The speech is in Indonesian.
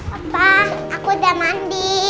papa aku udah mandi